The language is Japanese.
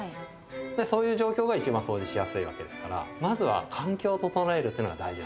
そういう状況が一番そうじしやすいわけですからまずは環境を整えるっていうのが大事なんです。